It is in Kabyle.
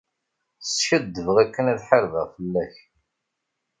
Skaddbeɣ akken ad ḥarbeɣ fell-ak.